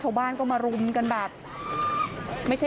โชว์บ้านในพื้นที่เขารู้สึกยังไงกับเรื่องที่เกิดขึ้น